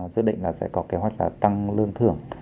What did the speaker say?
dự định là sẽ có kế hoạch là tăng lương thưởng